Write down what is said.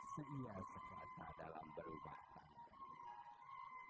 seia sekata dalam berubah tangan